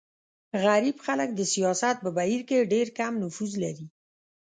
غریب خلک د سیاست په بهیر کې ډېر کم نفوذ لري.